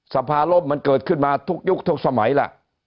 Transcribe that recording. สภาร่มมันเกิดขึ้นมาทุกยุคทุกสมัยล่ะ